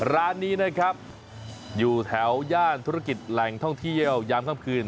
ร้านนี้นะครับอยู่แถวย่านธุรกิจแหล่งท่องเที่ยวยามค่ำคืน